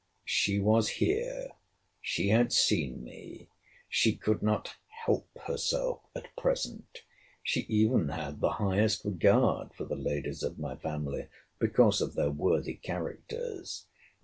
She was here. She had seen me. She could not help herself at present. She even had the highest regard for the ladies of my family, because of their worthy characters.